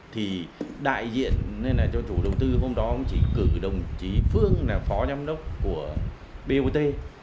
thì đại diện cho chủ đầu tư hôm đó cũng chỉ cử đồng chí phương là phó giám đốc của bot